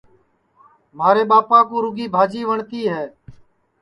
مھارے ٻاپا کُو رُگی بھجی وٹؔتی ہے